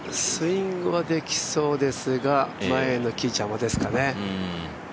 スイングはできそうですが前の木、邪魔ですかね。